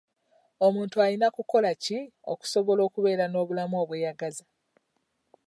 Omuntu ayinza kukola ki okusobola okubeera n'obulamu obweyagaza?